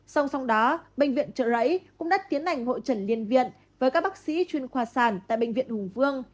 song song đó bệnh viện trợ rẫy cũng đã tiến hành hội trần liên viện với các bác sĩ chuyên khoa sản tại bệnh viện hùng vương